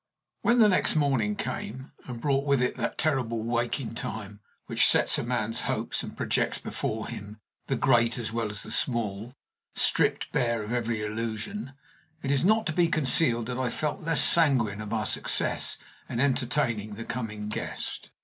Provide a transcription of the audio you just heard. When the next morning came, and brought with it that terrible waking time which sets a man's hopes and projects before him, the great as well as the small, stripped bare of every illusion, it is not to be concealed that I felt less sanguine of our success in entertaining the coming guest.